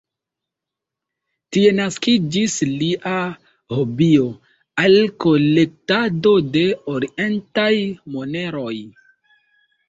Tie naskiĝis lia hobio al kolektado de orientaj moneroj.